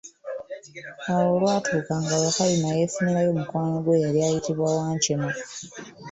Awo olwatuuka nga Wakayima yefunirayo mukwano gwe eyali ayitibwa Wankima.